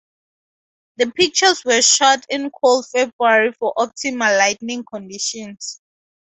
The pictures were shot in cold February for optimal lighting conditions.